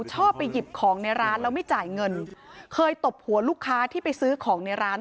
ชอบไปหยิบของในร้านแล้วไม่จ่ายเงินเคยตบหัวลูกค้าที่ไปซื้อของในร้าน